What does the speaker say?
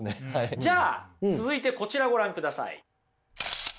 じゃあ続いてこちらをご覧ください。